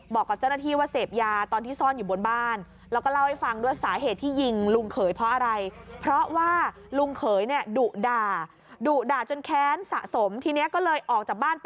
บอกกับเจ้าหน้าที่ว่าเสพยาตอนที่ซ่อนอยู่บนบ้าน